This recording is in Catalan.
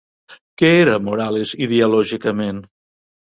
Què era Morales ideològicament?